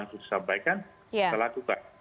disampaikan salah tukar